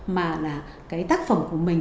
mà là cái tác phẩm của mình